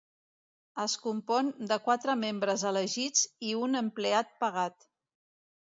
Es compon de quatre membres elegits i un empleat pagat.